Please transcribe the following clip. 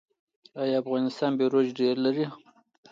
آیا افغانستان بیروج ډبرې لري؟